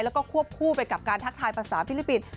แล้วก็ควบคู่ไปกับการทักทายภาษาฟิลิปปินส์